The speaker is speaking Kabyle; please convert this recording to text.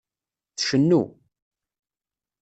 Tcennu.